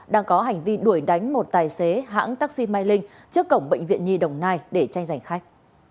đang có hành vi đuổi đánh một tài xế hãng taxi mai linh trước cổng bệnh viện nhi đồng nai để tranh giành khách